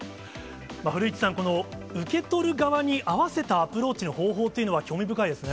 古市さん、この受け取る側に合わせたアプローチの方法というのは興味深いですね。